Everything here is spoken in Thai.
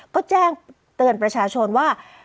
ก็แจ้งเตือนประชาชนว่า